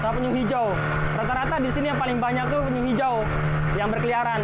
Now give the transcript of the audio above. penyu hijau rata rata di sini yang paling banyak itu penyu hijau yang berkeliaran